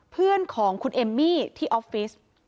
เพื่อนของคุณเอมมี่